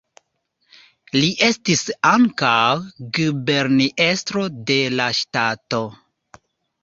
Li estis ankaŭ guberniestro de la ŝtato.